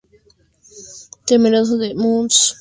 Temeroso de Muntz y emocionalmente herido, Dug se escapa.